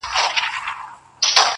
د دستار سرونه یو نه سو را پاته.!